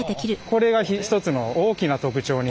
これが１つの大きな特徴になります。